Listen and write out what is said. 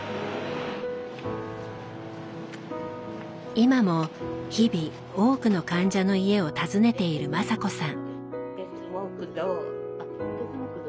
今も日々多くの患者の家を訪ねている雅子さん。